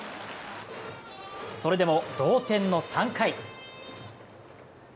それでも、同点の３回。